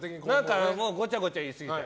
ごちゃごちゃ言い過ぎて。